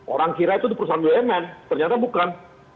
orang kira itu di perusahaan bumn ternyata bukan